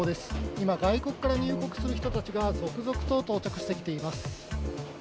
今、外国から入国する人たちが続々と到着してきています。